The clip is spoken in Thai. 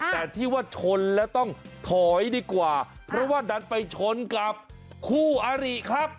แต่ที่ว่าชนแล้วต้องถอยดีกว่าเพราะว่าดันไปชนกับคู่อาริครับ